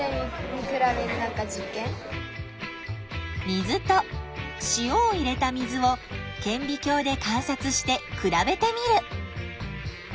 水と塩を入れた水をけんび鏡で観察して比べてみる。